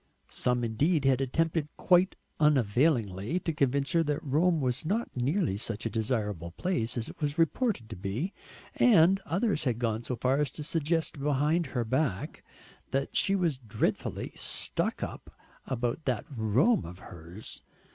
Some indeed had attempted quite unavailingly to convince her that Rome was not nearly such a desirable place as it was reported to be, and others had gone so far as to suggest behind her back that she was dreadfully "stuck up" about "that Rome of hers."